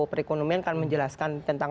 perekonomian akan menjelaskan tentang